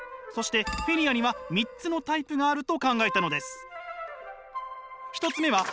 そしてフィリアには三つのタイプがあると考えたのです。